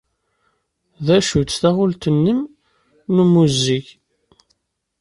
D acu-tt taɣult-nnem n ummuzzeg?